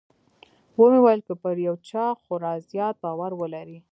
ومې ويل که پر يو چا خورا زيات باور ولرې.